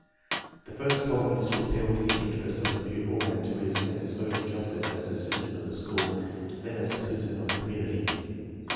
The first problem is to appeal to the interests""] of the pupil and to his sense of social justice as a citizen of the school and then as a citizen of the community.